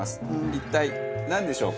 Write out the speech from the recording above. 一体なんでしょうか？